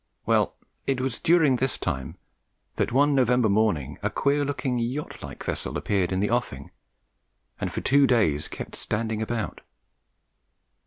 Well, it was during this time that one November morning a queer looking yacht like vessel appeared in the offing, and for two days kept standing about.